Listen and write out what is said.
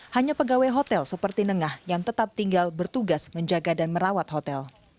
hanya pegawai hotel seperti nengah yang tetap tinggal bertugas menjaga dan merawat hotel